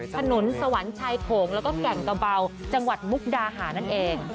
ถนนสวรรค์ชายโขงแล้วก็แก่งกระเบาจังหวัดมุกดาหานั่นเอง